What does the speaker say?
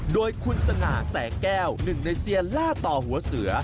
โดยคุณสง่าแสงแก้วหนึ่งในเซียนล่าต่อหัวเสือ